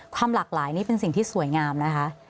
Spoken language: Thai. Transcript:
ความหลากหลายนี่เป็นสิ่งที่สวยงามนะคะ